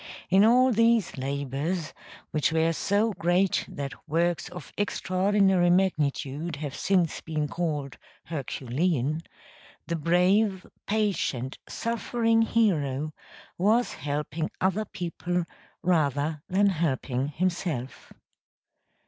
In all these labors, which were so great that works of extraordinary magnitude have since been called Herculean, the brave, patient, suffering hero, was helping other people rather than helping himself.